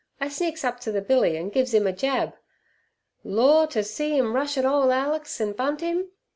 I sneaks up to ther billy an' gives 'im er jab. Lawr ter see 'im rush et ole Alex an' bunt 'im!